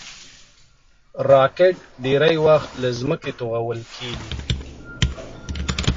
راکټ ډېری وخت له ځمکې توغول کېږي